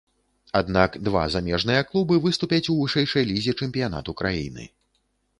Аднак два замежныя клубы выступяць у вышэйшай лізе чэмпіянату краіны.